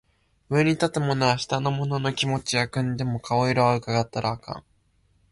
上に立つ者は下の者の気持ちは汲んでも顔色は窺ったらあかん